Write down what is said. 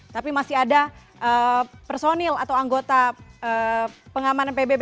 tapi masih ada personil atau anggota pengamanan pbb